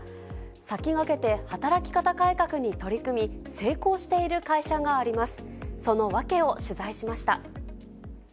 先駆けて働き方改革に取り組み、成功している会社があります。